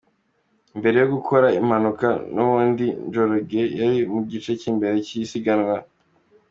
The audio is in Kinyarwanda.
Mbere yo gukora impanuka nubundi Njoroge yari mu gice cy’imbere cy’isiganwa.